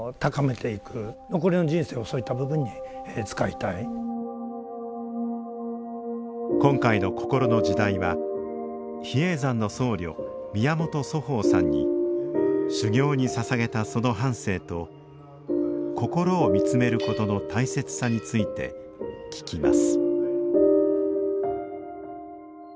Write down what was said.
それでも今回の「こころの時代」は比叡山の僧侶宮本祖豊さんに修行にささげたその半生とこころを見つめることの大切さについて聞きます